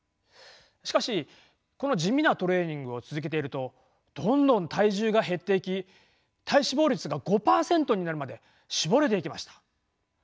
しかしこの地味なトレーニングを続けているとどんどん体重が減っていき体脂肪率が５％なるまで絞れていきました。